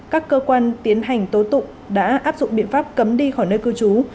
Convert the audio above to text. các cơ quan tiến hành tố tụng đã áp dụng biện pháp cấm đi khỏi nơi cư trú